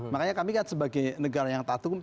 makanya kami kan sebagai negara yang tak tukang